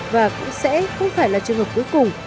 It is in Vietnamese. và cũng sẽ không phải là trường hợp cuối cùng